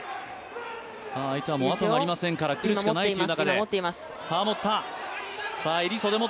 相手は後がありませんからくるしかないという。